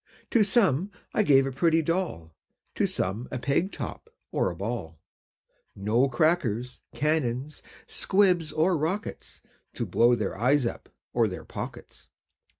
To some I gave a pretty doll, To some a peg top, or a ball; No crackers, cannons, squibs, or rockets, To blow their eyes up, or their pockets.